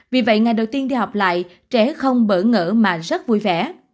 vì vậy ngày đầu tiên đi học lại trẻ không bỡ ngỡ mà rất vui vẻ